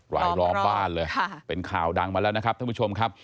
ลายล้อมบ้านเลยเป็นข่าวดังมาแล้วนะครับท่านผู้ชมครับ